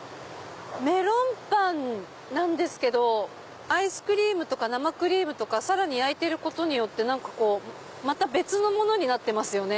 メロンパンなんですけどアイスクリームとか生クリームとかさらに焼いてることによってまた別のものになってますよね。